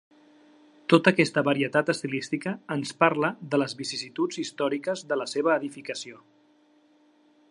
Tota aquesta varietat estilística ens parla de les vicissituds històriques de la seva edificació.